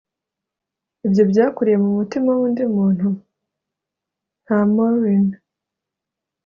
ibyo byakuriye mumutima wundi muntu? nta maureen